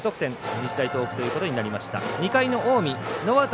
日大東北ということになりました。